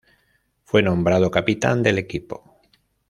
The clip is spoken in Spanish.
Fue nombrado capitán del equipo.